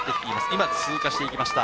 今、通過していきました。